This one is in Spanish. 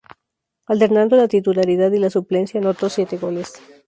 Alternando la titularidad y la suplencia, anotó siete goles.